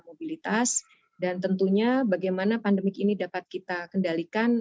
mobilitas dan tentunya bagaimana pandemik ini dapat kita kendalikan